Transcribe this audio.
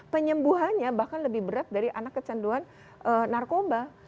penyembuhannya bahkan lebih berat dari anak kecanduan narkoba